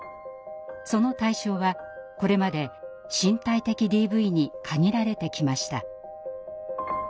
その対象はこれまで身体的ＤＶに限られてきました。